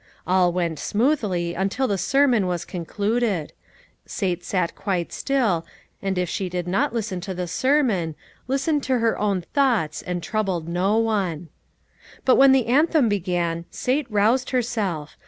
All went smoothly until the sermon was concluded. Sate sat quite still, and if she did not listen to the sermon, listened to her own thoughts and troubled no one. But when the anthem began, Sate roused her self.